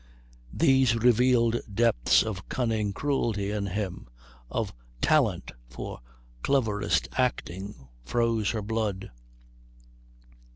These revealed depths of cunning cruelty in him, of talent for cleverest acting, froze her blood.